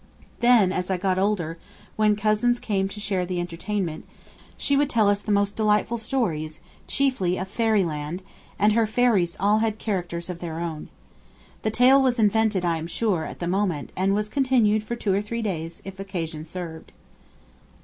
Then, as I got older, when cousins came to share the entertainment, she would tell us the most delightful stories, chiefly of Fairyland, and her fairies had all characters of their own. The tale was invented, I am sure, at the moment, and was continued for two or three days, if occasion served.'